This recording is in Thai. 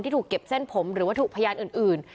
ที่ถูกเก็บเส้นผมหรือว่าถูกพยานอื่น